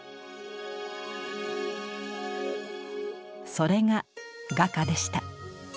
それが画家でした。